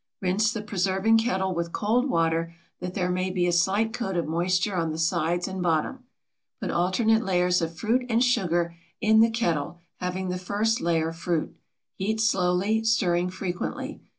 Rinse the preserving kettle with cold water that there may be a slight coat of moisture on the sides and bottom. Put alternate layers of fruit and sugar in the kettle, having the first layer fruit. Heat slowly, stirring frequently.